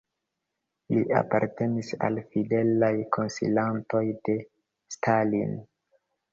Li apartenis al fidelaj konsilantoj de Stalin.